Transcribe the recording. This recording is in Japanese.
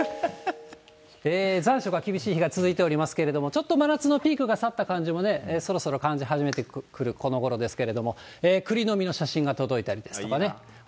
残暑が厳しい日が続いておりますけれども、ちょっと真夏のピークが去った感じもね、そろそろ感じ始めてくるこのごろですけれども、くりの実の写真が届いたりですとかね。